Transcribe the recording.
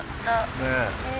ねえ。